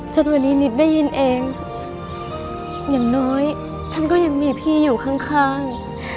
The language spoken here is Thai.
จนวันนี้นิดได้ยินเองอย่างน้อยฉันก็ยังมีพี่อยู่ข้าง